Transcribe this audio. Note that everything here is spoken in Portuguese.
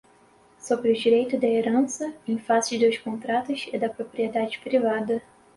Sobre o Direito de Herança, em Face dos Contratos e da Propriedade Privada